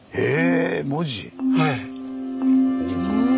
はい。